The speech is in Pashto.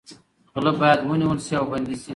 غله باید ونیول شي او بندي شي.